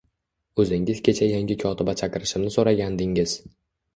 -O`zingiz kecha yangi kotiba chaqirishimni so`ragandingiz